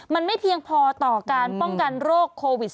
มันไม่เพียงพอต่อการป้องกันโรคโควิด๑๙